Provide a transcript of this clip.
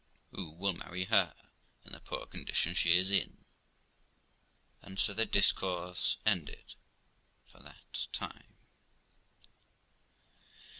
Who will marry her in the poor condition she is in?' And so their discourse ended for that time.